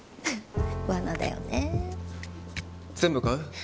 わなだよね全部買う？